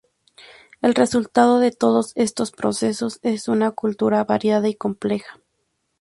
El resultado de todos estos procesos es una cultura variada y compleja.